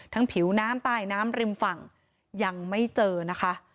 ผิวน้ำใต้น้ำริมฝั่งยังไม่เจอนะคะ